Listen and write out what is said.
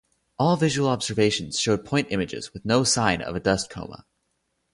All visual observations showed point images, with no sign of a dust coma.